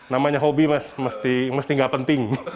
namanya hobi mas mesti nggak penting